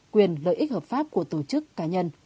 quyền lợi ích hợp pháp của tổ chức